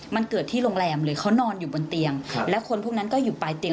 มันเกิดที่โรงแรมหรือเขานอนอยู่บนเตียงครับแล้วคนพวกนั้นก็อยู่ปลายเตียง